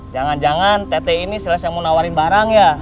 jangan jangan tete ini selesai yang mau nawarin barang ya